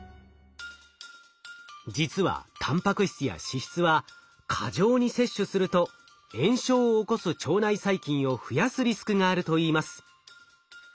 実はたんぱく質や脂質は過剰に摂取すると炎症を起こす腸内細菌を増やすリスクがあるといいます。